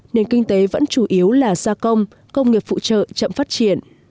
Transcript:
nền kinh tế vẫn chủ yếu là gia công công nghiệp phụ trợ chậm phát triển